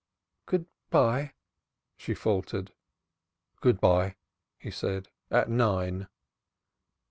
"Good bye," she faltered. "Good bye," he said. "At nine."